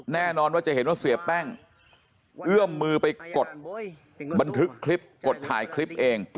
แน่นอนว่าจะเห็นว่าเสียแป้งเอื้อมมือไปกดบันทึกคลิปกดถ่ายคลิปเอง